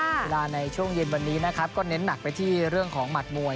เวลาในช่วงเย็นวันนี้นะครับก็เน้นหนักไปที่เรื่องของหมัดมวย